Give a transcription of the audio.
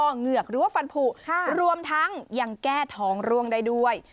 เหงือกหรือว่าฟันผูรวมทั้งยังแก้ท้องร่วงได้ด้วย